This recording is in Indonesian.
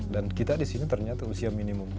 dan kita di sini ternyata usia minimum